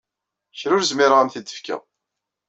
Kra ur zmireɣ ad m-t-id-fkeɣ.